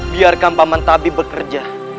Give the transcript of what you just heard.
biarkan paman tabib bekerja